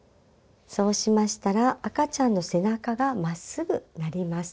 そうしましたら赤ちゃんの背中がまっすぐなります。